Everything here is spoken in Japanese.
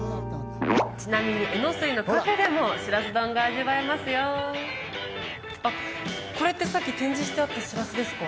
ちなみにえのすいのカフェでもしらす丼が味わえますよあっこれってさっき展示してあったシラスですか？